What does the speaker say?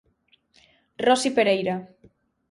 Rosi Pereira.